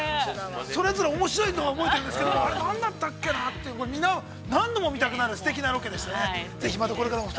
◆それぞれおもしろいのは覚えているんですけど、何だったっけなぁと、何度も見たくなるすてきなロケでしたね。